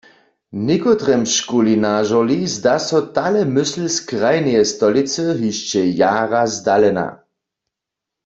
Někotremužkuli na žurli zda so tale mysl z krajneje stolicy hišće jara zdalena.